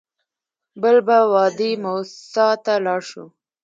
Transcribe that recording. بل به وادي موسی ته لاړ شو.